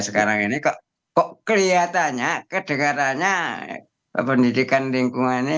sekarang ini kok kelihatannya kedengarannya pendidikan lingkungan ini